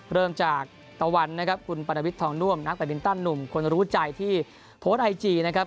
เริ่มจากตะวันนะครับคุณปรวิทย์ทองน่วมนักบินตันหนุ่มคนรู้ใจที่โพสต์ไอจีนะครับ